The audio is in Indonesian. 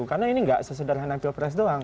karena ini tidak sesederhana pilpres doang